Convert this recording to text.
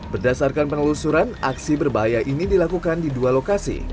berdasarkan penelusuran aksi berbahaya ini dilakukan di dua lokasi